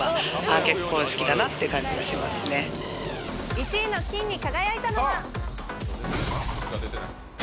１位の金に輝いたのは。